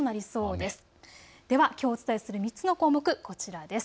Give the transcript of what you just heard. では、きょうお伝えする３つの項目、こちらです。